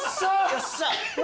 よっしゃ！